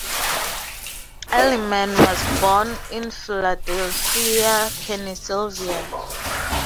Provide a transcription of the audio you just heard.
Adleman was born in Philadelphia, Pennsylvania.